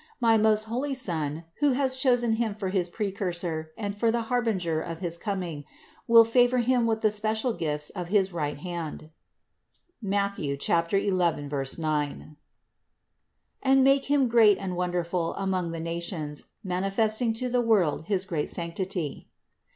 My most holy Son, who has chosen him for his Precursor and for the harbinger of his coming, will favor him with the special gifts of his right hand (Matth. 11, 9) and make him great and won derful among the nations, manifesting to the world his great sanctity."